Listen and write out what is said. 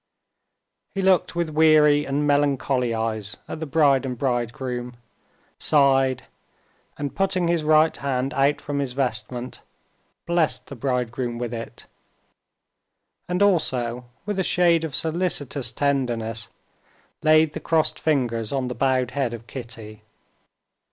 He looked with weary and melancholy eyes at the bride and bridegroom, sighed, and putting his right hand out from his vestment, blessed the bridegroom with it, and also with a shade of solicitous tenderness laid the crossed fingers on the bowed head of Kitty.